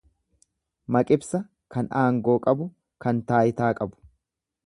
Maqibsa kan aangoo qabu, kan taayitaa qabu.